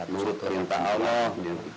menurut perintah allah